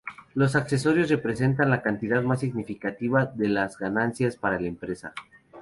Los accesorios representan la cantidad más significativa de las ganancias para la empresa.